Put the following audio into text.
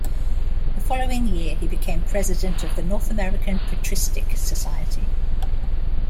The following year, he became president of the North American Patristic Society.